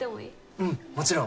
うんもちろん。